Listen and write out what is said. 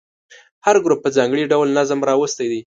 هر ګروپ په ځانګړي ډول نظم راوستی دی.